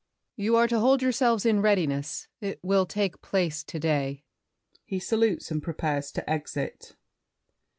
You are to hold yourselves in readiness; It will take place to day. [He salutes and prepares to exit.